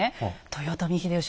豊臣秀吉